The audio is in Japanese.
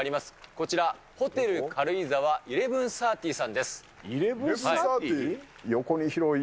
こちら、ホテル軽井沢１１３０さ１１３０？